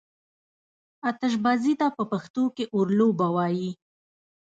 آتشبازي ته په پښتو کې اورلوبه وايي.